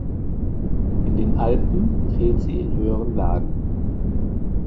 In den Alpen fehlt sie in höheren Lagen.